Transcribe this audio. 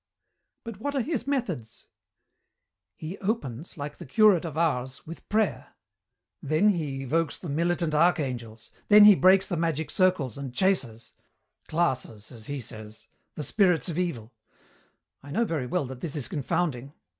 "But what are his methods?" "He opens, like the curate of Ars, with prayer. Then he evokes the militant archangels, then he breaks the magic circles and chases 'classes,' as he says the spirits of Evil. I know very well that this is confounding.